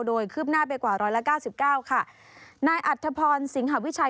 โดยคืบหน้าไปกว่าร้อยละเก้าสิบเก้าค่ะนายอัธพรสิงหาวิชัย